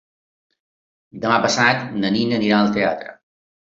Demà passat na Nina anirà al teatre.